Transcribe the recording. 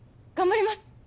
頑張ります。